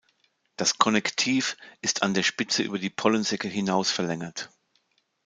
Das Konnektiv ist an der Spitze über die Pollensäcke hinaus verlängert.